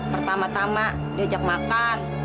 pertama tama diajak makan